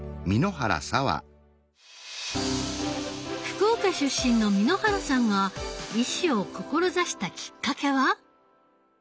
福岡出身の簑原さんが医師を志したきっかけは？